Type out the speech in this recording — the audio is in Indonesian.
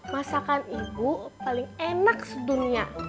masakan ibu paling enak sedunia